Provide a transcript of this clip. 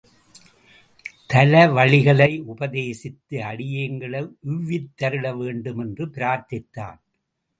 தவவழிகளை உபதேசித்து அடியேங்களை உய்வித்தருள வேண்டும் என்று பிரார்த்தித்தான்.